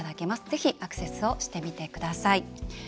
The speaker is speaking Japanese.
ぜひアクセスをしてみてください。